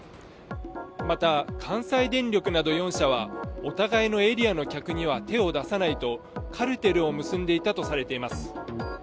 また、関西電力など４社はお互いのエリアの客には手を出さないとカルテルを結んでいたとされています。